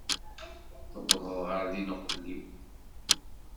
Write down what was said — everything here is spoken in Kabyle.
Tuwḍeḍ ɣer din uqbel-iw.